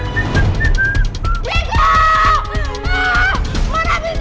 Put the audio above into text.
kita bisa menjijikkan harusnya restingmu